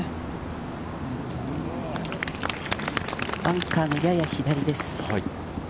バンカーのやや左です。